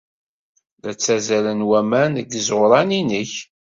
La ttazzalen waman deg yiẓuran-nnek.